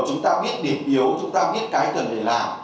chúng ta biết điểm yếu chúng ta biết cái cần phải làm